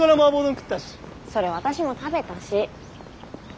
それ私も食べたし。